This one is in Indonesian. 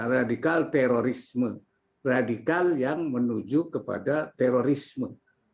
radikal terorisme radikal yang menuju kepada terorisme